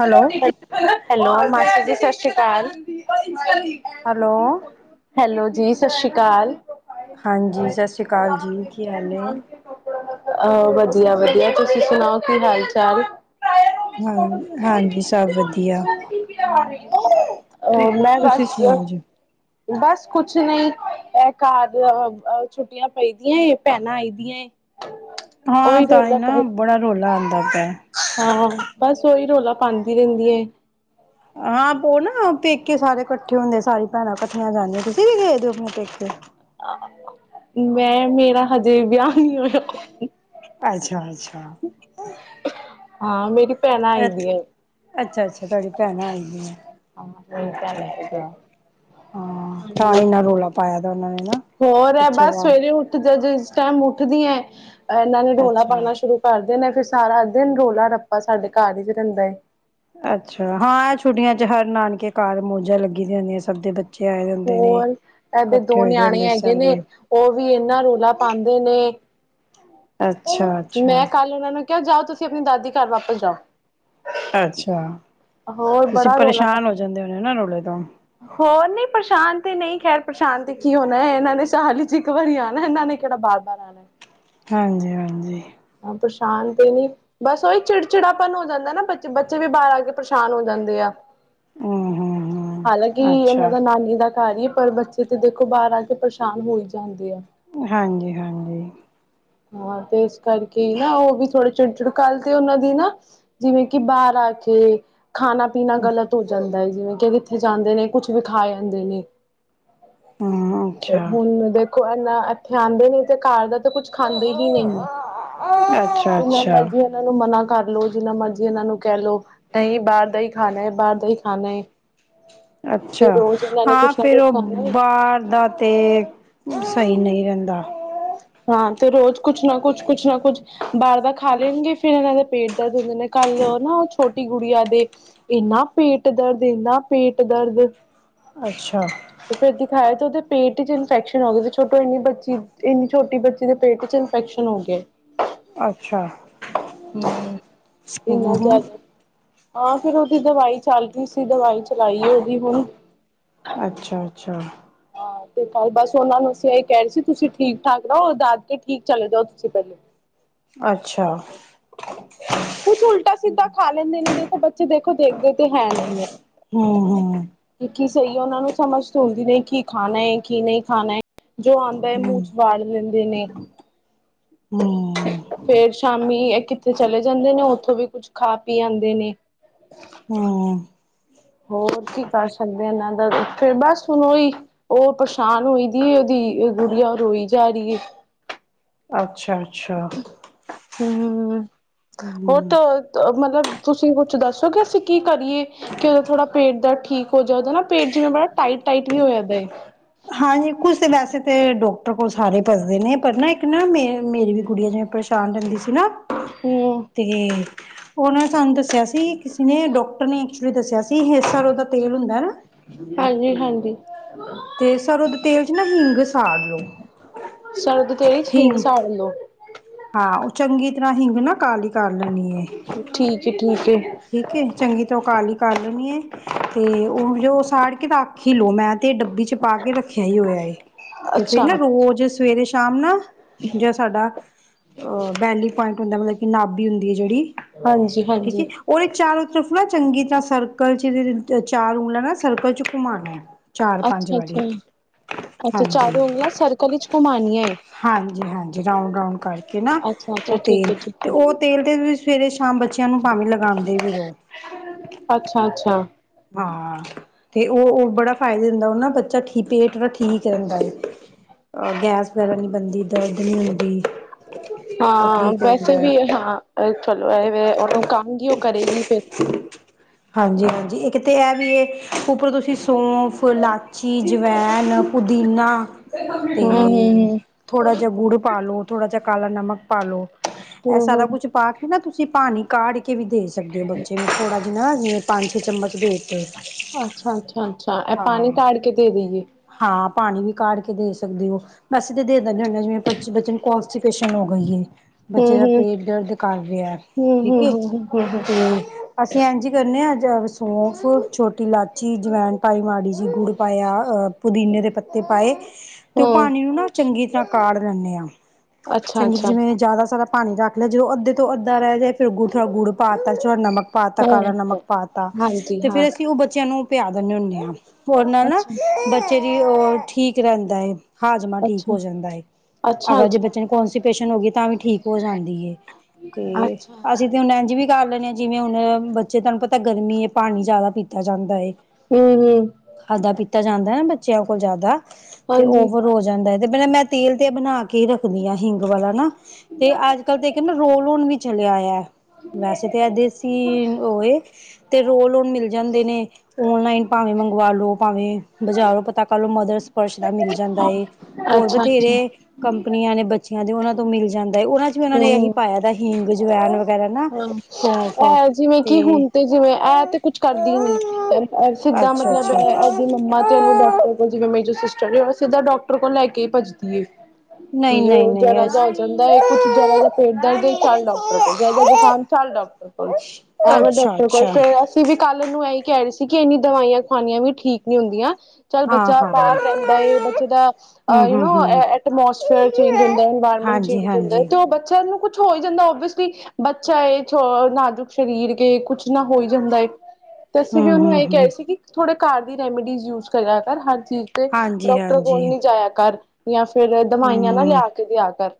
Hello hello master ਜੀ ਸਤਿ ਸ਼੍ਰੀ ਅਕਾਲ। ਹੈਲੋ ਹੈਲੋ ਜੀ ਸਤਿ ਸ੍ਰੀ ਅਕਾਲ। ਹਾਂਜੀ ਸਤਿ ਸ੍ਰੀ ਅਕਾਲ ਜੀ ਕੀ ਹਾਲ ਏ। ਆਹ ਵਧੀਆ ਵਧੀਆ ਤੁਸੀਂ ਸੁਣਾਓ ਕੀ ਹਾਲ ਚਾਲ। ਹਾਂ ਹਾਂਜੀ ਸਭ ਵਧੀਆ। ਮੈਂ ਤੁਸੀਂ ਬਸ ਸੁਣਾਓ ਜੀ? ਬਸ ਕੁਛ ਨਹੀਂ ਘਰ ਛੁੱਟੀਆਂ ਪਈ ਦੀਆਂ ਭੈਣਾਂ ਆਈ ਦੀਆਂ। ਹਾਂ ਉਹੀ ਤਾਂ ਹੀ ਰੌਲਾ ਪਾਏ ਨਾ ਬੜਾ ਰੌਲਾ ਆਉਂਦਾ ਪਿਆ। ਹਾਂ ਬਸ ਓਹੀ ਰੌਲਾ ਪਾਉਂਦੀ ਰਹਿੰਦੀ ਏ। ਹਾਂ ਉਹ ਨਾ ਪੇਕੇ ਸਾਰੇ ਇਕੱਠੇ ਹੁੰਦੇ ਸਾਰੀ ਭੈਣਾਂ ਇਕੱਠੀਆਂ ਜਾਂਦੀਆਂ ਤੁਸੀਂ ਵੀ ਗਏ ਦੇ ਹੋ ਆਪਣੇ ਪੇਕੇ। ਮੈਂ ਮੇਰਾ ਹਜੇ ਵਿਆਹ ਨਹੀਂ ਹੋਇਆ। ਅੱਛਾ ਅੱਛਾ ਹਾਂ ਮੇਰੀ ਭੈਣ ਆਈ ਦੀਆਂ। ਅੱਛਾ ਅੱਛਾ ਤੁਹਾਡੀ ਭੈਣ ਆਈ ਹਾਂ ਮੇਰੀ ਅੱਛਾ ਅੱਛਾ। ਹਾਂ ਤਾਂ ਹਾਂਜੀ ਇਨਾ ਰੌਲਾ ਪਾਇਆ ਦਾ ਉਹਨਾਂ ਨੇ ਨਾ ਹੋਰ ਹੈ ਪਿੱਛੇ ਬਸ ਵਾਰ ਸਵੇਰੇ ਉੱਠ ਜਾ ਜੇ। ਟਾਈਮ ਉੱਠਦੀ ਹੈ ਇਹਨਾਂ ਨੇ ਡੋਲਾ ਅੱਛਾ ਪਾਉਣਾ ਸ਼ੁਰੂ ਕਰ ਦੇਣਾ। ਫਿਰ ਸਾਰਾ ਦਿਨ ਰੌਲਾ ਰੱਪਾ ਸਾਡੇ ਘਰ ਹੀ ਚ ਰਹਿੰਦਾ ਹੈਏ ਅੱਛਾ ਹਾਂ ਛੁੱਟੀਆਂ ਚ ਹਰ ਨਾਨਕੇ ਕਾਰ ਮੌੋਜਾਂ ਲੱਗੀ ਦੀਆਂ ਹੁੰਦੀਆਂ ਸਭ ਦੇ ਬੱਚੇ ਆਏ ਹੁੰਦੇ ਨੇ ਹੋਰ ਇਹਦੇ ਇਕੱਠੇ ਦੋ ਹੋਏ ਦੇ ਨਿਆਣੇ ਹੁੰਦੇ ਹੈਗੇ ਨੇ ਸਾਰੇ ਉਹ ਵੀ ਇਹਨਾ ਰੌਲਾ ਪਾਉਂਦੇ ਨੇ ਅੱਛਾ ਮੈਂ ਅੱਛਾ ਕੱਲ ਉਹਨਾਂ ਨੂੰ ਕਿਹਾ ਜਾਓ ਤੁਸੀਂ ਆਪਣੀ ਦਾਦੀ ਘਰ ਵਾਪਸ ਜਾਓ ਅੱਛਾ ਹੋਰ ਤੁਸੀਂ ਬੜਾ ਰੌਲਾ ਪਰੇਸ਼ਾਨ ਹੋ ਪਾਉਂਦੇ ਜਾਂਦੇ ਹੋਣੇ ਨਾ ਰੌਲੇ ਤੋਂ? ਹੋਰ ਨਹੀਂ ਪਰੇਸ਼ਾਨ ਤੇ ਨਹੀਂ ਖੈਰ ਪਰੇਸ਼ਾਨ ਤੇ ਕੀ ਹੋਣਾ ਇਹਨਾਂ ਨੇ ਸਾਲ ਵਿੱਚ ਇੱਕ ਵਾਰੀ ਆਉਣਾ ਇਹਨਾਂ ਨੇ। ਕਿਹੜਾ ਬਾਰ ਬਾਰ ਆਉਣਾ। ਹਾਂਜੀ ਹਾਂਜੀ। ਹਾਂ ਪਰੇਸ਼ਾਨ ਤੇ ਨੀ ਬਸ ਓਹੀ ਚਿੜਚਿੜਾਪਨ ਹੋ ਜਾਂਦਾ ਨਾ ਬੱਚੇ ਬੱਚੇ ਵੀ ਬਾਹਰ ਆ ਕੇ ਪਰੇਸ਼ਾਨ ਹੋ ਜਾਂਦੇ। ਹਮ ਹਮ ਹਾਲਾਂਕਿ ਹਮ ਉਹਨਾਂ ਅੱਛਾ ਦਾ ਨਾਨੀ ਦਾ ਘਰ ਹੀ ਏ ਪਰ ਬੱਚੇ ਤੇ ਦੇਖੋ ਬਾਹਰ ਆ ਕੇ ਪਰੇਸ਼ਾਨ ਹੋ ਹੀ ਜਾਂਦੇ ਆ। ਹਾਂਜੀ ਹਾਂਜੀ ਹਾਂ ਤੇ ਇਸ ਕਰਕੇ ਨਾ ਉਹ ਵੀ ਥੋੜੇ ਚਿੜ ਚਿੜ ਕਰਕੇ ਤੇ ਉਹਨਾਂ ਦੀ ਨਾ ਜਿਵੇਂ ਕਿ ਬਾਹਰ ਆ। ਹਜੇ ਖਾਣਾ ਪੀਣਾ ਗ਼ਲਤ ਹੋ ਜਾਂਦਾ ਹੈ ਜਿਵੇਂ ਕਿ ਕਿੱਥੇ ਜਾਂਦੇ ਨੇ ਕੁਛ ਵੀ ਖਾ ਆਦੇ ਨੇ। ਹਮ ਅੱਛਾ ਹੁਣ ਦੇਖੋ ਇਨਾ ਇੱਥੇ ਆਉਂਦੇ ਨੇ ਤੇ ਘਰ ਦਾ ਤੇ ਕੁਛ। ਖਾਂਦੇ ਵੀ ਨਹੀਂ ਹੈ ਅੱਛਾ ਜਿੰਨਾ ਅੱਛਾ ਮਰਜੀ ਉਹਨਾ ਨੂੰ ਮਨਾ। ਕਰ ਲਓ ਜਿੰਨਾ ਮਰਜ਼ੀ ਇਹਨਾਂ ਨੂੰ ਕਹਿ ਲਓ ਨਹੀਂ ਬਾਹਰ ਦਾ ਹੀ ਖਾਣਾ ਹੈ ਬਾਹਰ ਦਾ ਹੀ ਖਾਣਾ ਹੈ। ਅੱਛਾ ਤੇ ਰੋਜ਼ ਇਹਨਾਂ ਨੇ ਹਾਂ ਕੁਛ ਨਾ ਫਿਰ ਕੁਛ ਉਹ ਖਾਣਾ ਹੈ ਬਾਹਰ ਦਾ ਤੇ ਸਹੀ ਨਹੀਂ ਰਹਿੰਦਾ। ਹਾਂ ਤੇ ਰੋਜ਼ ਕੁਛ ਨਾ ਕੁਛ ਕੁਛ ਨਾ ਕੁਛ ਬਾਹਰ ਦਾ ਖਾ ਲੈਣਗੇ ਫਿਰ ਇਹਨਾਂ ਦੇ ਪੇਟ ਦਰਦ ਹੁੰਦੇ ਨੇ ਕੱਲ ਨਾ ਉਹ ਛੋਟੀ ਗੁੜੀਆਂ ਦੇ। ਇੰਨਾ ਪੇਟ ਦਰਦ ਇੰਨਾ ਪੇਟ ਦਰਦ। ਅੱਛਾ ਤੇ ਫੇਰ ਦਿਖਾਏ ਤੇ ਉਹਦੇ ਪੇਟ ਚ ਇਨਫੈਕਸ਼ਨ ਹੋ ਗਈ ਤੇ ਛੋਟੀ ਇੰਨੀ ਬੱਚੀ ਉਹ। ਇੰਨੀ ਛੋਟੀ ਬੱਚੀ ਦੇ ਪੇਟ ਚ ਇਨਫੈਕਸ਼ਨ ਹੋ ਗਏ ਅੱਛਾ ਹਮ ਹਮ ਇਨਾ ਹਮ ਜ਼ਿਆਦਾ ਹਾਂ ਫਿਰ ਉਹਦੀ ਦਵਾਈ ਚੱਲ ਰਹੀ ਸੀ ਦਵਾਈ ਚਲਾਈ ਉਹਦੀ ਹੁਣ ਅੱਛਾ ਅੱਛਾ ਹਾਂ ਤੇ ਕੱਲ ਬਸ ਉਹਨਾਂ ਨੂੰ ਅਸੀਂ ਕਹਿ ਰਹੇ ਸੀ ਤੁਸੀਂ ਠੀਕ ਠਾਕ ਰਹੋ ਦਾਦਕੇ ਠੀਕ ਚਲੇ ਜਾਓ ਤੁਸੀਂ ਪਹਿਲੇ ਅੱਛਾ ਕੁਛ ਉਲਟਾ ਸਿੱਧਾ ਖਾ ਲੈਂਦੇ ਨੇ ਦੇਖੋ ਬੱਚੇ ਦੇਖੋ ਦੇਖਦੇ ਤੇ ਹੈ ਨਹੀਂ ਹੈ ਹਮ ਹਮ ਕਿ ਕੀ ਸਹੀ ਹੈ ਉਹਨਾਂ ਨੂੰ ਸਮਝ ਤਲਦੀ ਨੇ ਕੀ ਖਾਣਾ ਹੈਏ ਕੀ ਨਹੀਂ ਖਾਣਾ ਜੋ ਆਉਂਦਾ ਹੈ ਹੂੰ ਮੂੰਹ ਚ ਵਾੜ ਲੈਂਦੇ ਨੇ ਫੇਰ ਸ਼ਾਮੀ ਕਿੱਥੇ ਚਲੇ ਜਾਂਦੇ ਨੇ ਉੱਥੋਂ ਵੀ ਕੁੱਝ ਖਾ ਪੀ ਆਉਂਦੇ ਨੇ ਹੂੰ ਹੋਰ ਕੀ ਕਰ ਸਕਦੇ ਇਹਨਾਂ ਦਾ ਫ਼ਿਰ ਬਸ ਹੁਣ ਉਹੀ ਉਹ ਪਰੇਸ਼ਾਨ ਹੋਈ ਦੀ ਉਹਦੀ ਗੁੜੀਆ ਉਹ ਰੋਈ ਜਾ ਰਹੀ ਹੈ [inaudible] ਅੱਛਾ ਅੱਛਾ ਹਮ ਹੋਰ ਹੂੰ ਤਾਂ ਮਤਲਬ ਤੁਸੀਂ ਕੁਛ ਦੱਸੋ ਕਿ ਅਸੀਂ ਕੀ ਕਰੀਏ ਕਿ ਉਹਦਾ ਥੋੜ੍ਹਾ ਪੇਟ ਦਰਦ ਠੀਕ ਹੋ ਜਾਦਾ ਨਾ ਪੇਟ ਜਿਵੇਂ ਬੜਾ ਟਾਈਟ ਟਾਈਟ ਵੀ ਹੋ ਜਾਂਦਾ ਏ ਹਾਂਜੀ ਕੁਛ ਤਾਂ ਵੈਸੇ ਤਾਂ ਡਾਕਟਰ ਕੋਲ ਸਾਰੇ ਭੱਜਦੇ ਨੇ ਪਰ ਨਾ ਇੱਕ ਨਾ ਮ ਮੇਰੀ ਵੀ ਕੁੜੀਆਂ ਪਰੇਸ਼ਾਨ ਰਹਿੰਦੀ ਸੀ ਨਾ ਹਮ ਤੇ ਉਹਨਾਂ ਨੇ ਸਾਨੂੰ ਦੱਸਿਆ ਸੀ ਕਿਸੇ ਨੇ ਡਾਕਟਰ ਨੇ ਐਕਚੁਲੀ ਦੱਸਿਆ ਸੀ ਸਰੋਂ ਉਹਦਾ ਤੇਲ ਹੁੰਦਾ ਨਾ ਹਾਂਜੀ ਹਾਂਜੀ ਤੇ ਸਰੋਂ ਦੇ ਤੇਲ ਚ ਨਾ ਹਿੰਗ ਪਾਲਿਓ ਸਰਦ ਤੇਰੀ ਹਿੰਗ ਸਾੜ ਲਓ ਹਾਂ ਉਹ ਚੰਗੀ ਤਰ੍ਹਾਂ ਹਿੰਗ ਨਾ ਕਾਹਲੀ ਕਰ ਲਓ ਠੀਕ ਏ ਠੀਕ ਏ ਠੀਕ ਏ ਚੰਗੀ ਤਰ੍ਹਾਂ ਕਾਲੀ ਕਰ ਲੈਣੀ ਹੈ ਤੇ ਉਹ ਜੋ ਸਾੜ ਕੇ ਰਖ ਹੀ ਲਓ ਮੈਂ ਤੇ ਡੱਬੀ ਚ ਪਾ ਕੇ ਰੱਖਿਆ ਇਹੀ ਹੋਇਆ ਹੈ ਤੇ ਫੇਰ ਅੱਛਾ ਨਾ ਰੋਜ਼ ਸਵੇਰੇ ਸ਼ਾਮ ਨਾ ਜਾਂ ਸਾਡਾ ਅਹ ਵੈਲੀ ਪੁਆਇੰਟ ਹੁੰਦਾ ਮਤਲਬ ਕਿ ਨਾਭੀ ਹੁੰ ਜਿਹੜੀ ਹਾਂਜੀ ਠੀਕ ਹਾਂਜੀ ਏ ਚਾਰ ਤਰਫ ਨਾ ਚੰਗੀ ਤਰ੍ਹਾਂ ਸਰਕਲ ਚ ਚਾਰ ਰੂ ਲ ਨਾ ਸਰਕਲ ਚ ਘੁਮਾਾਨ ਚਾਰ ਪੰਜ ਅੱਛਾ ਵਾਰੀ ਅੱਛਾ ਅੱਛਾ ਹਾਂਜੀ ਚਾਰੂ ਉਂਗਲਾਂ ਸਰਕਲ ਵਿਚ ਘੁੰਮਉਣੀਆਂ ਏ ਹਾਂਜੀ ਹਾਂਜੀ ਰਾਉਂਡ ਰਾਉਂਡ ਕਰਕੇ ਨਾ ਅੱਛਾ ਅੱਛਾ ਉਹ ਠੀਕ ਤੇਲ ਹੈ ਠੀਕ ਤੇ ਹੈ ਉਹ ਤੇਲ ਤੇ ਸਵੇਰੇ ਸ਼ਾਮ ਬ ਬੱਚਿਆਂ ਨੂੰ ਭਾਵੇਂ ਲਗਾਂਦੇ ਵੀ ਰਹੋ ਅੱਛਾ, ਅੱਛਾ ਹਾਂ ਤੇ ਉਹ ਬੜਾ ਫਾਇਦੇ ਦਿੰਦਾ ਉਹ ਨਾ ਬੱਚਾ ਪੇਟ ਠੀਕ ਰਹਿੰਦਾ ਏ ਅਹ ਗੈਸ ਵਗੈਰਾ ਨਹੀਂ ਬਣਦੀ ਦਰਦ ਨਹੀਂ ਹੁੰਦੀ ਉਹ ਹਾਂ ਠੀਕ ਵੈਸੇ ਰਹਿੰਦਾ ਹੈ। ਵੀ ਹਾਂ ਚਲੋ ਇਹ ਉਹਨੂੰ ਕੰਮ ਵੀ ਉਹ ਕਰੇਗੀ ਫਿਰ [unintelligible] ਹਾਂਜੀ ਹਾਂਜੀ ਇੱਕ ਤਾਂ ਇਹ ਵੀ ਇਹ ਉੱਪਰੋਂ ਤੁਸੀਂ ਸੌਂਫ ਲਾਚੀ ਜਵੈਨ ਹੂੰ-ਹੂੰ, ਪੁਦੀਨਾ ਤੇ ਥੋੜਾ ਜਿਹਾ ਗੁੜ ਪਾ ਲੋ ਥੋੜਾ ਜਿਹਾ ਕਾਲਾ ਨਮਕ ਪਾ ਲੋ ਇਹ ਸਾਰਾ ਹੂੰ-ਹੂੰ। ਕੁਛ ਪਾ ਕੇ ਨਾ ਤੁਸੀਂ ਪਾਣੀ ਕਾੜ ਕੇ ਵੀ ਦੇ ਸਕਦੇ ਹੋ ਬੱਚੇ ਨੂੰ ਥੋੜਾ ਜਿਹਾ ਨਾ ਪੰਜ ਚਮਚ ਦੇ ਅੱਛਾ-ਅੱਛਾ-ਅੱਛਾ ਇਹ ਪਾਣੀ ਹਾਂ ਕਾੜ ਕੇ ਦੇ ਦੇਈਏ। ਹਾਂ ਪਾਣੀ ਵੀ ਕਾੜ ਕੇ ਦੇ ਸਕਦੇ ਹੋ ਅਸੀ ਤਾਂ ਦੇ ਦਿੰਦੇ ਹੁੰਦੇ ਜਿਵੇਂ ਬੱਚ ਨੂੰ ਕੰਸਤਿਪੇਸ਼ਨ ਹੋ ਗਈ ਹੈ ਬੱਚੇ ਦਾ ਹੂੰ-ਹੂੰ, ਪੇਟ ਦਰਦ ਕਰ ਰਿਹਾ ਠੀਕ ਹੂੰ-ਹੂੰ, ਏ ਹੂੰ-ਹੂੰ, ਤੇ ਅਸੀਂ ਇਂਝੀ ਕਰਨੇ ਹਿੰਗ ਸੌਫ ਛੋਟੀ ਇਲਾਚੀ ਚੀ ਅਜਵਾਇਣ ਪਾਈ ਮਾੜੀ ਜਿਹੀ ਗੁੜ ਪਾਇਆ ਪੁਦੀਨੇ ਦੇ ਪੱਤੇ ਪਾਏ ਤੇ ਉਹ ਹੂੰ ਪਾਣੀ ਨੂੰ ਨਾ ਚੰਗੀ ਤਰ੍ਹਾਂ ਕਾਢ ਲੈਂਦੇ ਆਾ ਚੰਗੀ ਅੱਛਾ-ਅੱਛਾ ਹੂੰ। ਜਿਵੇਂ ਜ਼ਿਆਦਾ ਸਾਰਾ ਪਾਣੀ ਰੱਖ ਲਿਆ ਜਦੋਂ ਅੱਧੇ ਤੋਂ ਅੱਧਾ ਰਹਿ ਜਾ ਫਿਰ ਗੁੜ ਥੋੜਾ ਗੁੜ ਪਾਤਾ ਥੋੜਾ ਨਮਕ ਪਾ ਤਾ ਹੂੰ ਹੂੰ ਕਾਲਾ ਅੱਛਾ ਅੱਛਾ ਹੂੰ ਨਮਕ ਪਾ ਤਾ ਹਾਂਜੀ ਤੇ ਹਾਂ ਫੇਰ ਅਸੀਂ ਉਹ ਬੱਚਿਆਂ ਨੂੰ ਪਿਆ ਦਿੰਦੇ ਹੁੰਦੇ ਹਾਂ ਉਹਦੇ ਨਾਲ ਨਾ ਅੱਛਾ, ਬੱਚੇ ਦੀ ਉਹ ਠੀਕ ਰਹਿੰਦਾ ਹੈ ਹਾਜ਼ਮਾ ਠੀਕ ਅੱਛਾ, ਹੋ ਜਾਂਦਾ ਹੈ ਅਗਰ ਜੇ ਅੱਛਾ-ਅੱਛਾ, ਬੱਚੇ ਨੂੰ ਕੌਣ ਸੀ ਪੇਸ਼ਂਟ ਹੋ ਗਈ ਤਾਂ ਵੀ ਠੀਕ ਹੋ ਜਾਂਦੀ ਹੈ ਤੇ ਅੱਛਾ। ਅਸੀਂ ਤੇ ਹੁਣ ਇੰਝ ਵੀ ਕਰ ਲੈਣੇ ਦੇ ਹਾਂ ਜਿਵੇਂ ਹੁਣ ਬੱਚੇ ਤਹਨੂੰ ਤਾਂ ਗਰਮੀ ਹੈ ਪਾਣੀ ਜਿਆਦਾ ਪੀਤਾ ਜਾਂਦਾ ਹੈ ਹੂੰ-ਹੂੰ, ਖਾਦਾ ਪੀਤਾ ਜਾਂਦਾ ਹੈ ਨਾ ਬ ਬੱਚਿਆਂ ਕੋਲ ਜਿਆਦਾ ਤੇ ਹਾਂਜੀ। ਓਵਰ ਹੋ ਜਾਂਦਾ ਹੈ ਤੇ ਪਹਿਲ ਮੈਂ ਤੇਲ ਤੇ ਬਣਾ ਕੇ ਕੇ ਰੱਖਦੀ ਆ ਹਿੰਗ ਵਾਲਾ ਨਾ ਤੇ ਅੱਜ ਕੱਲ ਤਾਂ ਕਹਿੰਦਾ ਰੋਲ ਨ ਵੀ ਚਲਿਆਇ ਵੈਸੇ ਤਾਂ ਆ ਦੇਸੀ ਉਹਏ ਤੇ ਰੋਲ ਓਨ ਮਿਲ ਜਾਂਦੇ ਨੇ ਓਨਲਾਈਨ ਭਾਵੇਂ ਮੰਗਵਾ ਲੋ ਭਾਵੇਂ ਬਜਾਰੋ ਲੋ ਪਤਾ ਕਰ ਲ ਲੋ ਮਦਰਸ ਸਪਰਸ਼ ਦਾ ਮਿਲ ਜਾਂਦਾ ਹੋਰ ਬਥੇਰੇ ਅੱਛਾ-ਅੱਛਾ। ਕੰ ਆਪਣੀਆਂ ਨੇ ਬੱਚਿਆਂ ਦੇ ਉਹਨਾਂ ਤੋਂ ਮਿਲ ਜਾਂਦਾ ਉਹਨਾਂ ਚ ਵੀ ਉਹਨਾਂ ਨੇ ਇਹੀ ਹੂੰ ਪਾਇਆ ਦਾ ਹੀਨਗ ਜਵੈਨ ਵਗੈਰਾ ਨਾ ਸੌਂਫ ਹਾਂ ਅ ਜਿਵੇਂ ਕਿ ਹੁਣ ਤੇ ਜਿਵੇਂ ਇਹ ਤੇ ਕੁਛ ਕਰਦੀ ਨੀ ਸਿੱਧਾ ਅੱਛਾ ਮਤਲਬ ਅੱਛਾ ਇਹਦੀ ਮੰਮਾ ਤੇ ਉਹਨੂੰ ਡਾਕਟਰ ਕੋਲ ਜਿਵੇਂ ਜੋ ਸਿਸਟਰ ਨੇ ਉਹ ਸਿੱਧਾ ਡਾਕਟਰ ਕੋਲ ਲੈ ਕੇ ਭੱਜਦੀ ਨਹੀਂ ਕੀ ਨਹੀਂ ਉਹ ਨਹੀਂ ਜਰਾ ਜਾਿਹਾ ਹੋ ਜਾਂਦਾ ਹੈ ਕੁੱਛ ਜਰਾ ਜਿਹਾ ਪੇਟ ਦਰਦ ਹੈ ਚੱਲ ਡਾਕਟਰ ਕੋਈ ਜ਼ੁਕਾਮ ਚੱਲ ਡਾਕਟਰ ਕੋਲ ਐਵੇਂ ਅੱਛਾ ਡਾਕਟਰ ਕੋਲ ਅੱਛਾ ਫੇਰ ਅਸੀਂ ਵੀ ਕੱਲ ਇਹੀ ਕਹਿ ਰਹੀ ਸੀ ਕਿ ਇੰਨੀ ਦਵਾਈਆਂ ਖਣੀਆਂ ਵੀ ਠੀਕ ਨਹੀਂ ਹੁੰਦੀਆਂ ਚੱਲ ਹਾਂ ਬੱਚਾ ਹਾਂ ਬਰ ਰਹਿੰਦਾ ਹੈ ਬੱਚੇ ਦਾ ਹਮ ਅਹ ਹਮ ਯੂਨੋ ਹਮ ਐਟਮੋਸਫੇਅਰ ਚੇਂਜ ਹੁੰਦਾ ਹੁੰ ਹਾਂਜੀ ਹਾਂਜੀ ਤੇ ਉਹ ਬੱਚਿਆਂ ਨੂੰ ਕੁਛ ਕੁਛ ਹੋ ਹੀ ਜਾਂਦਾ ਓਵੀਅਸਲੀ ਬੱਚਾ ਨਾਜ਼ੁਕ ਸਰੀਰ ਗ ਕੁਛ ਹੋਈ ਜਾਂਦਾ ਹੈਏ ਤੇ ਅਸੀਂ ਵੀ ਹਮ ਉਹਨੂੰ ਹਮ ਇਹ ਹਮ ਕਿਹਾਹੇ ਸੀ ਕਿ ਥੋੜੇ ਘਰ ਦੀ ਰੈਮੀਡੀਜ਼ ਯੂਜ ਕਰਿਆ ਕਰ ਹਰ ਚੀਜ਼ ਤੇ ਹਾਂਜੀ ਡਾਕਟਰ ਕੋਲ ਹਾਂਜੀ ਨਹੀਂ ਜਾਇਆ ਕਰ ਜਾਂ ਫਿਰ ਦਵਾਈਆਂ ਨਾ ਲਿਆ ਕੇ ਦਿਆ ਕਰ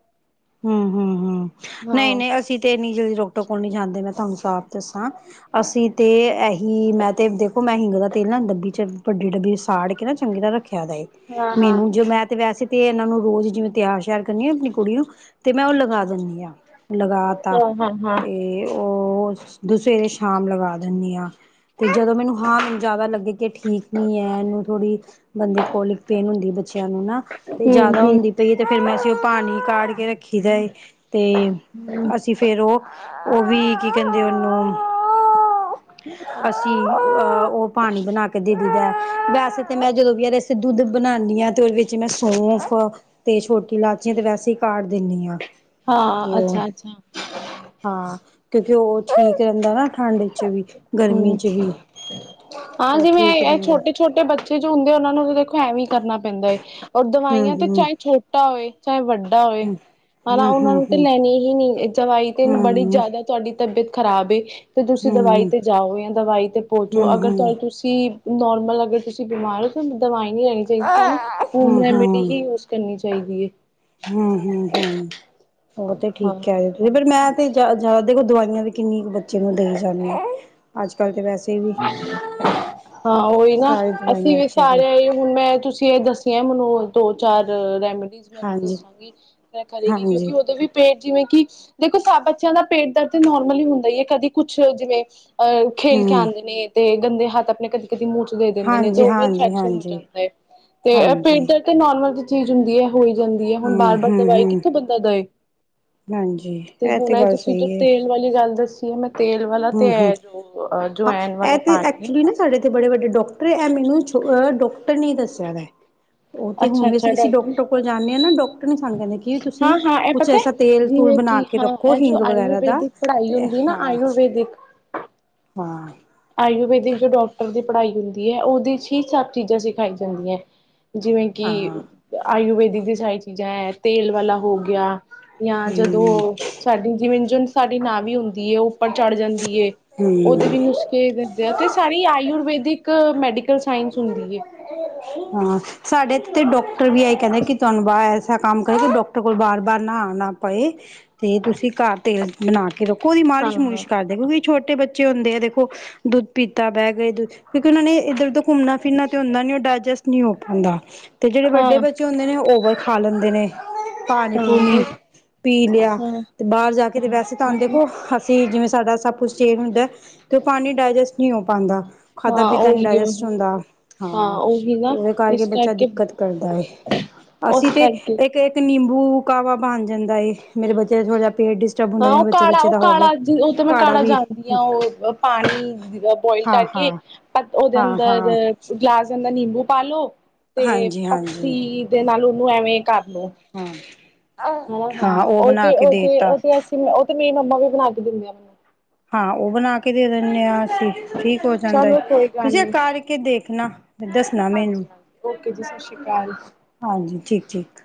ਹਮ ਹਮ ਹਮ ਨਹੀਂ ਹਾਂ ਨਹੀਂ ਅਸੀਂ ਤੇ ਇੰਨੀ ਜਲਦੀ ਡਾਕਟਰ ਕੋਲ ਨਹੀਂ ਜਾਂਦੇ ਮੈਂ ਤੁਹਾਨੂੰ ਸਾਫ਼ ਦੱਸਾਂ ਅਸੀਂ ਤੇ ਇਹੀ ਮੈਂ ਤੇ ਦੇਖੋ ਮੈਂ ਹੀ ਜਿਆਦਾ ਤੇਲ ਨਾ ਡੱਬੀ ਚ ਵੱਡੀ ਡੱਬੀ ਸਾੜ ਕੇ ਨਾ ਚੰਗੀ ਤਰ ਰੱਖਿਆ ਦਾ ਏ ਹਾਂ ਹਾਂ ਹਾਂ ਹਾਂ ਮੈਨੂੰ ਜ ਮੈਂ ਤੇ ਵੈਸੇ ਤੇ ਇਹਨਾਂ ਨੂੰ ਰੋਜ਼ ਜਿਵੇਂ ਤਿਆਰ ਸ਼ਿਆਰ ਕਰਨੀ ਆ ਆਪਣੀ ਕੁੜੀ ਨੂੰ ਤੇ ਮੈਂ ਉਹ ਲਗਾ ਦਿੰਦੀ ਆਾਂ ਲਗਾ ਤਾ ਹਾਂ ਤੇ ਉਹ ਉਹ ਸਵੇਰੇ ਸ਼ਾਮ ਲਗਾ ਦਿੰਦੀ ਹਾਂ ਤੇ ਜਦੋਂ ਮੈਨੂੰ ਹਾਰਨ ਜ਼ਿਆਦਾ ਲੱਗੇ ਕਿ ਠੀਕ ਨੀ ਹੈ ਇਹਨੂੰ ਥੋੜ੍ਹੀ ਬੰਦੇ ਕੋਲਿਕ ਪੇਨ ਹੁੰਦੀ ਹੈ ਬੱਚੀ ਨੂੰ ਨਾ ਤੇ ਹਮ ਜਿਆਦਾ ਹਮ ਹੁੰਦੀ ਪਈ ਤੇ ਫੇਿਰ ਮੈਂ ਉਹ ਪਾਣੀ ਕਟ ਕੇ ਰੱਖੀ ਦਾ ਤੇ ਅਸੀਂ ਫੇਰ ਉਹ ਉਹ ਵੀ ਕੀ ਕਹਿੰਦੇ ਉਹਨੂੰ ਅਸੀਂ ਅਹ ਉਹ ਪਾਣੀ ਬਣਾ ਕੇ ਦੇ ਵੈਸੇ ਤੇ ਮੈਂ ਜਦੋਂ ਵੀ ਯੇ ਦੁੱਧ ਬਣਾਉਂਦੀ ਹ ਤੇ ਉਹਦੇ ਵਿੱਚ ਮੈਂ ਸੌਫ ਤੇ ਛੋਟੇ ਲਾਚੀਆਂ ਤੇ ਵੈਸੇ ਕਾੜ ਦਿੰਦੀ ਆ ਤੇ ਹਾਂ ਉਹ ਅੱਛਾ ਅੱਛਾ ਹਾਂ ਕਿਉਂਕਿ ਉਹ ਠੀਕ ਰਹਿੰਦਾ ਨਾ ਠੰਢ ਹਾਂ ਉਹ ਜਿਵੇਂ ਠੀਕ ਇਹ ਰਹਿੰਦਾ ਛੋਟੇ ਛੋਟੇ ਬੱਚੇ ਜੋ ਹੁੰਦੇ ਉਹਨਾਂ ਨੂੰ ਤਾਂ ਦੇਖੋ ਐਵੇਂ ਕਰਨਾ ਪੈਂਦਾ ਹੈ ਔਰ ਹੂੰ ਦਵਾਈਆਂ ਤੇ ਹੂੰ ਚਾਹੇ ਛੋਟਾ ਹੋਵੇ ਚਾਹੇ ਵੱਡਾ ਹੋਏ ਹੂੰ ਹਨਾ ਹੂੰ ਉਹਨਾਂ ਹੂੰ ਨੂੰ ਤਾਂ ਹੂੰ ਲੈਣੀ ਹੀ ਨੀ ਆਈ ਤੇ ਹੂੰ ਬੜੀ ਹੂੰ ਜ਼ਿਆਦਾ ਤੁਹਾਡੀ ਤਬੀਅਤ ਖਰਾਬ ਏ ਤੇ ਤੁਸੀਂ ਹੂੰ ਦਵਾਈ ਹੂੰ ਤੇ ਜਾਓ ਜਾਂ ਦਵਾਈ ਤੇ ਪਹੁੰਚੋ ਹੂੰ ਅਗਰ ਤੁਸੀਂ ਨੋਰਮਲ ਅਗਰ ਤੁਸੀਂ ਬਿਮਾਰ ਹੋ ਤੁਹਾਨੂੰ ਦਵਾਈ ਨਹੀਂ ਲੈਣੀ ਚਾਹੀਦੀ ਤੁਹਾਨੂੰ ਹੂੰ ਹੋਮ ਰੈਮੀਡੀ ਹੀ ਯੂਜ ਕਰਨੀ ਚਾਹੀਦੀ ਚਾਹੀਦੀ ਹੈ ਹਮ ਹਮ ਹਮ ਉਹ ਤੇ ਠੀਕ ਹਾਂ। ਹੈ ਮੈਂ ਤੇ ਜ਼ਿਆਦਾ ਦੇਖੋ ਦਵਾਈਆਂ ਕਿੰਨੀ ਕੁ ਬੱਚੇ ਨੂੰ ਦੇਈ ਜਾਂਣੀ ਹੈ ਅੱਜ ਕੱਲ ਤਾਂ ਵੈਸੇ ਵੀ ਹਾਂ ਉਹੀ ਨਾ ਸਾਰੀ ਅਸੀਂ ਦਵਾਈਆਂ ਵੀ ਤੇ ਸਾਰਿਆਂ ਹੁਣ ਮੈਂ ਤੁਸੀਂ ਇਹ ਦੱਸੀਆਂ ਮਨੋਜ ਦੋ ਚਾਰ ਰੈਮੀਡੀਜ਼ ਮੈਨੂੰ ਹਾਂਜੀ ਦੱਸਾਂਗੀ ਮ ਕਰੇਗੀ ਹਾਂਜੀ ਕਿਉਂਕਿ ਉਹਦੇ ਵੀ ਪੇਟ ਜਿਵੇਂ ਕਿ ਦੇਖੋ ਸਭ ਬੱਚਿਆਂ ਦਾ ਪੇਟ ਦਰਦ ਨੋਰਮਲੀ ਹੁੰਦਾ ਹੀ ਹੈ ਕਦੀ ਕੁਛ ਜਿਵੇਂ ਅ ਖੇਲ ਕੇ ਹੂੰ ਆਉਂਦੇ ਨੇ ਗੰਦੇ ਹੱਥ ਆਪਣੇ ਕਦੇ ਮੂੰਹਚ ਦੇ ਦਿੰਦੇ ਨੇ ਤੇ ਹਾਂਜੀ ਉਹ ਵੀ ਹਾਂਜੀ ਇਨਫੈਕਸ਼ਨ ਹੋ ਹਾਂਜੀ ਜਾਂਦਾ ਹੈ ਤੇ ਪੇਟ ਹਾਂਜੀ ਦਰਦ ਨੋਰਮਲ ਚੀਜ਼ ਹੁੰਦੀ ਹੈ ਹੋਈ ਜਾਂਦੀ ਹੈ ਹੁਣ ਬਾਰ ਹੂੰ ਬਾਰ ਹੂੰ ਦਵਾਈ ਹੂੰ ਕਿੱਥੋਂ ਬੰਦਾ ਦੇਏ ਹਾਂਜੀ ਤੇ ਹੁਣ ਇਹ ਗੱਲ ਤੁਸੀਂ ਜੋ ਸਹੀ ਹੈ ਤੇਲ ਵਾਲੀ ਗੱਲ ਦੱਸੀ ਮੈਂ ਤੇਲ ਵਾਲਾ ਤੇ ਹੂੰ ਹੂੰ ਹੈ ਜੋ ਹਾਂ ਜਵੈਨ ਇਹ ਵਾਲਾ ਤੇ ਪਾਣੀ ਹੈ ਐਕਚੁਲੀ ਨਾ ਸਾਡੇ ਇੱਥੇ ਬੜੇ ਵੱਡੇ ਡਾਕਟਰ ਇਹ ਮੈਨੂੰਹ ਡਾਕਟਰ ਨੇ ਦੱਸਿਆ ਉਹ ਤੇ ਹੁਣ ਅੱਛਾ ਵੀ ਅਸੀਂ ਅੱਛਾ ਕਿਸੇ ਡਾਕਟਰ ਕੋਲ ਜਾਂਦੇ ਹਾਂ ਨਾ ਡਾਕਟਰ ਸਾਨੂੰ ਕਹਿੰਦੇ ਕਿ ਵੀ ਤੁਸੀਂ ਹਾਂ-ਹਾਂ ਇਹ ਕੁਛ ਪਤਾ ਹੈ ਐਸਾ ਤੇਲ ਤੂਲ ਜਿਵੇਂ ਬਣਾ ਕਿ ਕੇ ਹਾਂ ਰੱਖੋ ਇਹ ਜੋ ਹਿੰਗ ਵਗੈਰਾ ਦਾ ਆਯੁਰਵੈਦਿਕ ਪੜ੍ਹਾਈ ਤੇ ਹੁੰਦੀ ਨਾ ਹਾਂ ਆਯੁਰਵੇੈਦਿਕ ਹਾਂ ਆਯੁਰਵੈਦਿਕ ਜੋ ਡਾਕਟਰ ਦੀ ਪੜ੍ਹਾਈ ਹੁੰਦੀ ਹੈ ਉਹਦੇ ਚ ਹੀ ਸਭ ਚੀਜ਼ਾਂ ਸਿਖਾਈ ਜਾਂਦੀਆਂ ਜਿਵੇਂ ਕਿ ਹਾਂ ਆਯੁਰਵੇੈਦਿਕ ਦੀ ਸਾਰੀ ਚੀਜ਼ਾਂ ਹੈ ਤੇਲ ਵਾਲਾ ਹੋ ਗਿਆ ਜਾਂ ਹਮ ਜਦੋਂ ਸਾਡੀ ਜਿਵੇਨ ਜਿਨ ਸਾਡੀ ਨਾ ਵੀ ਹੁੰਦੀ ਉੱਪਰ ਚੜ੍ਹ ਜਾਂਦੀ ਉਹਦੇ ਹਮ ਵੀ ਨੁਸ ਦੱਸਦੇ ਆ ਤੇ ਸਾਰੀ ਆਯੁਰਵੇਦਿਕ ਮੈਡੀ ਹਾਂ ਸਾਡੇ ਅਤੇ ਡੋਕਟਰ ਵੀ ਆਈ ਕਹਿੰਦੇ ਕਿ ਤੁਹਾਨੂੰ ਵਾਹ ਐਸਾ ਕੰਮ ਕਰੇ ਕਿ ਡਾਕਟਰ ਕੋਲ ਵਾਰ ਵਾਰ ਨਾ ਆਉਣਾ ਪਏ ਪਏ ਤੇ ਤੁਸੀਂ ਘਰ ਤੇਲ ਬਣਾ ਕੇ ਰੱਖੋ ਉਹਦੀ ਮਾਲਿਸ਼ ਮੁਲਿਸ਼ ਹਾਂ-ਹਾਂ-ਹਾਂ, ਕਰਦੇ ਕਿਉਂਕਿ ਛੋਟੇ ਬੱਚੇ ਹੁੰਦੇ ਆ ਦੇਖੋ ਦੁੱਧ ਪੀਤਾ ਬਹਿ ਗਏ ਦੁੱਧ ਕਿਉਂਕਿ ਉਹਨਾਂ ਨੇ ਇੱਧਰ ਉਧਰ ਘੁੰਮਣਾ ਫਿਰਨਾ ਤੇ ਹੁੰਦਾ ਨੀ ਉਹ ਡਾਇਜੈਸਟ ਨਹੀਂੀ ਹੋ ਪਾਉਂਦਾ ਜਿਹੜੇਡੇ ਹਾਂ-ਹਾਂ, ਬੱਚੇ ਹੁੰਦੇ ਉਹ ਓਵਰ ਖਾ ਲੈਂਦੇ ਨੇ ਪਾਣੀ ਹਾਂ ਪੂਣੀ ਉਹ ਪੀ ਲਿਆ ਹਾਂ ਤੇ ਬਾਹਰ ਜਾ ਕੇ ਤੇ ਹਾਂ ਵੈਸੇ ਤੁਹਾਨੂੰ ਉਹੀ ਨਾ ਦੇਖੋ ਹਸੀ ਜਿਵੇਂ ਸਾਡਾ ਸਭ ਕੁਛ ਚੇਜ ਹੁੰਦਾ ਤੇ ਉਹ ਪਾਣੀ ਡਾਇਜੈਸਟ ਨਹੀਂ ਹੋ ਪਾਉਂਦਾ ਖਾਧਾ ਹਾਂ ਪੀਤਾ ਨੀ ਉਹੀ ਡਾਇਜੈਸਟ ਉਹੀ ਹੁੰਦਾ ਹਾਂ ਉਹੀ ਤੇ ਨਾ ਉਹਦੇ ਕਰਕੇ ਇਸ ਬੱਚਾ ਦਿੱਕਤ ਕਰਦਾ ਉਸ ਅਸੀਂ ਤੇ ਕਰਕੇ ਇੱਕ ਇੱਕ ਨਿੰਬੂ ਕਾਹਵਾ ਬਣ ਜਾਂਦਾ ਏ ਮੇਰੇ ਬੱਚੇ ਦਾ ਥੋੜ੍ਹਾ ਜਿਹਾ ਪੇਟ ਡਿਸਟਰਬ ਹੁੰਦਾ ਹਾਂ ਜਿਵੇ ਉਹ ਬੱਚੇ ਕਾਲਾ ਬੱਚੇ ਉਹ ਦਾ ਹੋ ਕਾਲਾ ਗ ਉਹ ਤਾਂ ਮੈਂ ਕਾੜਅ ਕਾਲਾ ਵੀ ਜਾਣਦੀ ਹਾਂ ਉਹ ਬੋਇਲ ਹਾਂ ਕਰਕੇ ਹਾਂ ਉਹਦੇ ਹਾਂ ਅੰਦਰ ਹਾਂ ਗਲਾਸ ਜਾਂ ਦਾ ਨਿੰਬੂ ਪਾਾਲੋ, ਤੇ ਹਾਂਜੀ ਹਾਂਜੀ ਪੱਤੀ ਦੇ ਨਾਲ ਉਹਨੂੰ ਐਵੇਂ ਕਰ ਹਾਂ ਹ ਹਾਂ ਉਹ ਬਣਾ ਤੇ ਕੇ ਉਹ ਦੇ ਤੇ ਤਾ ਉਹ ਤੇ ਅਸੀਂ ਉਹ ਤੇ ਮੇਰੀ ਮੰਮਾ ਵੀ ਬਣਾ ਕੇ ਦਿੰਦੇ ਆ। ਹਾਂ ਉਹ ਬਣਾ ਕੇ ਦੇ ਦੇਨੇ ਆ ਠੀਕ ਹੋ ਜਾਂਦਾ ਚਲੋ ਹੈ ਕੋਈ ਗੱਲ ਤੁਸੀਂ ਇਹ ਨੀ ਕਰਕੇ ਦੇਖਣਾ ਦੱਸਣਾ ਮੈਨੂੰ ਹਾਂਜੀ ਹਾਂਜੀ ਓਕੇ ਜੀ ਸਤ ਸ਼੍ਰੀ ਅਕਾਲ ਹਾਂਜੀ ਠੀਕ ਠੀਕ